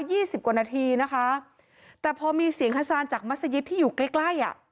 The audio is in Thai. สิบกว่านาทีนะคะแต่พอมีเสียงขซานจากมัศยิตที่อยู่ใกล้ใกล้อ่ะ